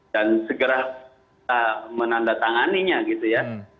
dan segera menandatanganinya gitu ya